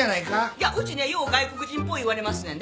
いやっうちねよう外国人っぽい言われますねんで。